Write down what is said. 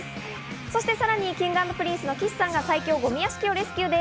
そしてさらにＫｉｎｇ＆Ｐｒｉｎｃｅの岸さんが最強ゴミ屋敷をレスキューです。